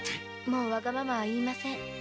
もうわがままは言いません。